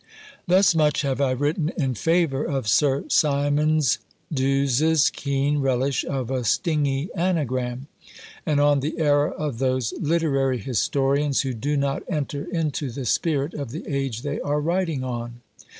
Thus much have I written in favour of Sir Symonds D'Ewes's keen relish of a "stingie anagram;" and on the error of those literary historians, who do not enter into the spirit of the age they are writing on.